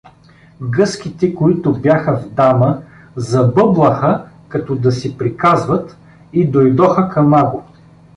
Гъските, които бяха в дама, забъблаха, като да си приказват, и дойдоха към Аго.